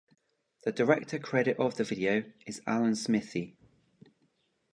The director credit of the video is Alan Smithee.